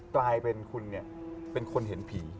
กลายเป็นคุณเป็นคนเห็นผี